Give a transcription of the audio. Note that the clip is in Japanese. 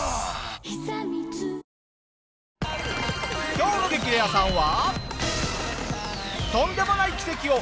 今日の『激レアさん』は。